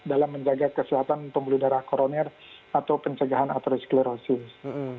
dalam menjaga kesihatan pembuluh darah koroner atau pencegahan atherosclerosis